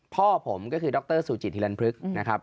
พ่อผมก็คือดรสุจิตฮิลันพฤกษ์นะครับ